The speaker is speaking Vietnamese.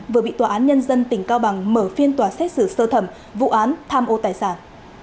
vừa bị tòa án nhân dân tỉnh cao bằng mở phiên tòa xét xử sơ thẩm vụ án tham ô tài sản